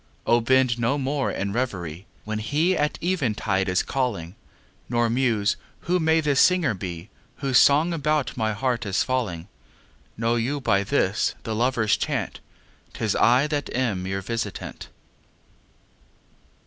O bend no more in revery When he at eventide is calling, Nor muse: Who may this singer be Whose song about my heart is falling? Know you by this, the loverâs chant, âTis I that am your visitant.